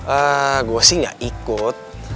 ehh gua sih gak ikut